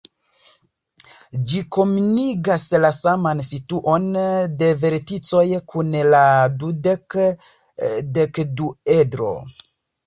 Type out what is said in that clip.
Ĝi komunigas la saman situon de verticoj kun la dudek-dekduedro.